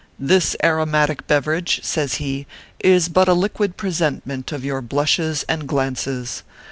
This aromatic beverage/ says he, " is. but a liquid presentment of your blushes and glances.